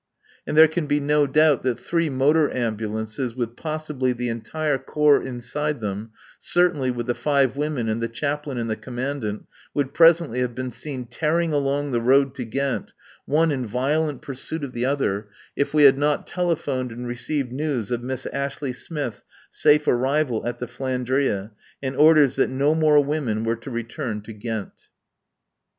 And there can be no doubt that three motor ambulances, with possibly the entire Corps inside them, certainly with the five women and the Chaplain and the Commandant, would presently have been seen tearing along the road to Ghent, one in violent pursuit of the other, if we had not telephoned and received news of Miss Ashley Smith's safe arrival at the "Flandria," and orders that no more women were to return to Ghent.